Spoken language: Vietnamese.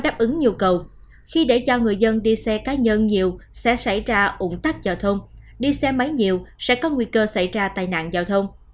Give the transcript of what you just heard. vì để cho người dân đi xe cá nhân nhiều sẽ xảy ra ủng tắc giao thông đi xe máy nhiều sẽ có nguy cơ xảy ra tài nạn giao thông